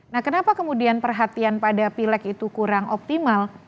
nah kenapa kemudian perhatian pada pilek itu kurang optimal